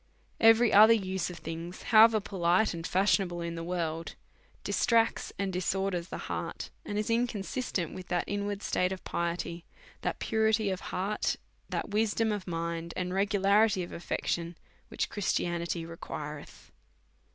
Every other use of things (however polite and fashionable iu the world) distracts and disorders the heart, and is in consistent with that inward state of piety, that purity of heart, that wisdom of mind, and regularity of affection, which Christianity requireth.